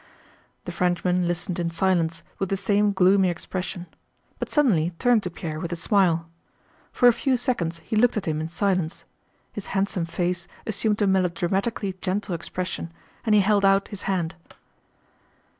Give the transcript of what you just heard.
The Frenchman listened in silence with the same gloomy expression, but suddenly turned to Pierre with a smile. For a few seconds he looked at him in silence. His handsome face assumed a melodramatically gentle expression and he held out his hand.